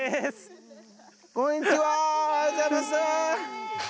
こんにちはおはようございます。